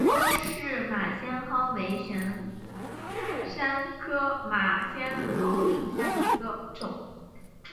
欧氏马先蒿为玄参科马先蒿属下的一个种。